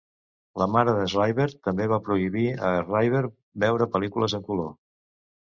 La mare de Schreiber també va prohibir a Schreiber veure pel·lícules en color.